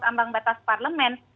atau ambang batas parlement